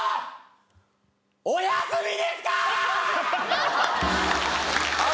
お休みですかーっ！